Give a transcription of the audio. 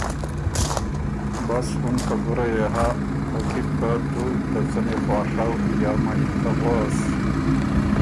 بس اُن خبُره يې هۀ، پۀ کی بو که تو ته څمی خواڒؤ یا مَئِنتۀ غؤس۔